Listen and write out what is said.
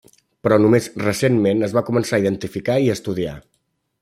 Però només recentment es va començar a identificar i estudiar.